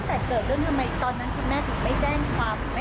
คุณแม่ถึงไม่แจ้งความหรือไม่อะไรไว้ก่อนนะคะ